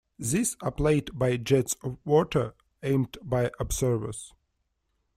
These are played by jets of water aimed by observers.